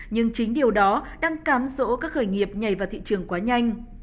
nhưng chính điều đó đang cám dỗ các khởi nghiệp nhảy vào thị trường quá nhanh